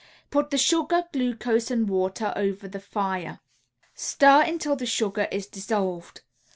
Put the sugar, glucose and water over the fire. Stir until the sugar is dissolved.